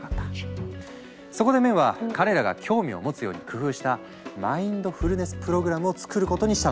そこでメンは彼らが興味をもつように工夫したマインドフルネス・プログラムを作ることにしたの。